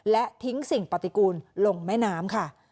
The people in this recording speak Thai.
และทิ้งสิ่งปฏิกูลลงแม่น้ำค่ะ